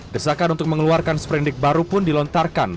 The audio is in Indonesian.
desakan untuk mengeluarkan sprendik baru pun dilontarkan